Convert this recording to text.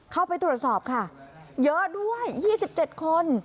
เข้าไปตรวจสอบค่ะเยอะด้วย๒๗คน